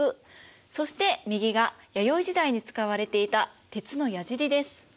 そして右が弥生時代に使われていた鉄のやじりです。